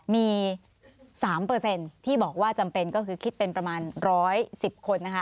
มี๓ที่บอกว่าจำเป็นก็คือคิดเป็นประมาณ๑๑๐คนนะคะ